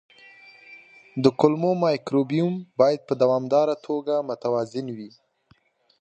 د کولمو مایکروبیوم باید په دوامداره توګه متوازن وي.